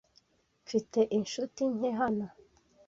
Mfite inshuti nke hano.